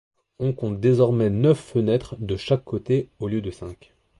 On compte désormais neuf fenêtres de chaque côté, au lieu de cinq.